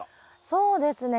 そうですね。